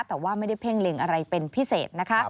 แต่ว่าไม่ได้เพ่งเล็งอะไรเป็นพิเศษนะคะ